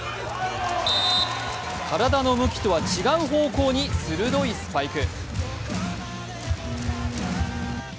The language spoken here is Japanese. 体の向きとは違う方向に鋭いスパイク。